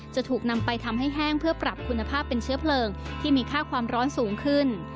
จะถูกนำไปทำให้แห้งเพื่อปรับคุณภาพเป็นเชื้อเพลิงที่มีค่าความร้อนสูงขึ้น